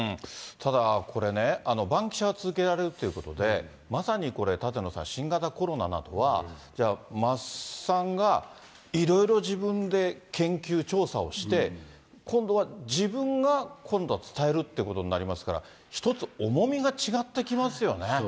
ただ、これね、バンキシャは続けられるということで、まさにこれ、舘野さん、新型コロナなどは、じゃあ、桝さんが、いろいろ自分で研究・調査をして、今度は自分が、今度は伝えるということになりますから、一つ、重みが違ってきますよね。